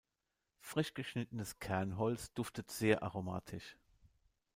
Frisch geschnittenes Kernholz duftet sehr aromatisch.